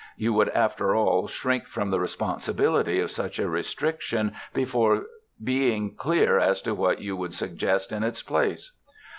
you would after all shrink from the responsibility of such a restriction before being clear as to what you would suggest in its place.